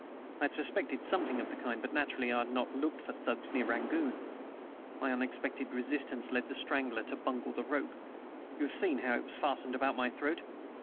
I had suspected something of the kind but, naturally, I had not looked for Thugs near Rangoon. My unexpected resistance led the strangler to bungle the rope. You have seen how it was fastened about my throat?